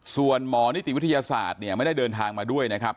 ส่วนหมอนิติวิทยาศาสตร์เนี่ยไม่ได้เดินทางมาด้วยนะครับ